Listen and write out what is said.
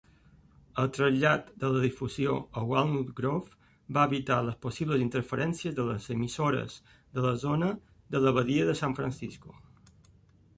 El trasllat de la difusió a Walnut Grove va evitar les possibles interferències de les emissores de la zona de l'abadia de San Francisco.